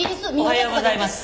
おはようございます。